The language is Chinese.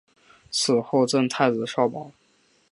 死后赠太子少保。